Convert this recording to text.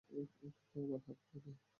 এটা তো আর আমার হাতে নেই।